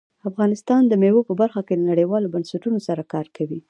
افغانستان د مېوو په برخه کې له نړیوالو بنسټونو سره کار کوي.